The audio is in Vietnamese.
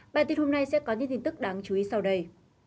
bản tin hôm nay sẽ có những tin tức đáng chú ý sau đây